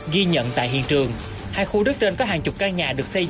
ghi nhận tại hiện trường hai khu đất trên có hàng chục căn nhà được xây dựng